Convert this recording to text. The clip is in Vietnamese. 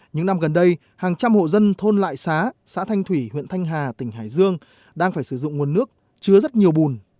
những năm gần đây hàng trăm hộ dân thôn lại xá xã thanh thủy huyện thanh hà tỉnh hải dương đang phải sử dụng nguồn nước chứa rất nhiều bùn